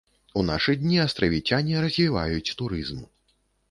У нашы дні астравіцяне развіваюць турызм.